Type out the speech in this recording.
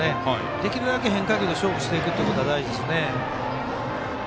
できるだけ変化球で勝負していくというのは大事ですね。